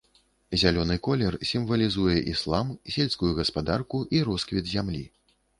Зялёны колер сімвалізуе іслам, сельскую гаспадарку і росквіт зямлі.